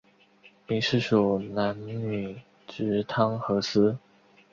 兵事属南女直汤河司。